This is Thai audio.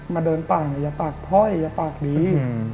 มาเดินปากอย่าปากพ่ออย่าปากดี